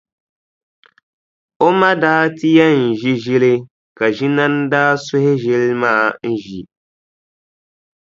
O ma daa ti yɛn ʒi ʒili ka Ʒinani daa suhi ʒili maa n-ʒi.